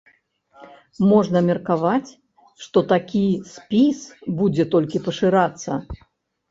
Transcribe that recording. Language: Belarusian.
Можна меркаваць, што такі спіс будзе толькі пашырацца.